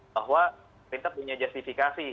bahwa pemerintah punya justifikasi